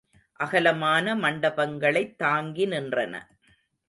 அகலமான மண்டபங்களைத் தாங்கி நின்றன.